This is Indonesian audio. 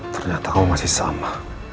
ternyata kamu masih sama